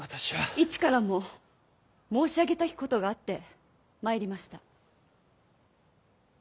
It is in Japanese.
市からも申し上げたきことがあって参りました。